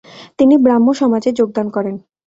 তিনি ব্রাহ্মসমাজে যোগদান করেন।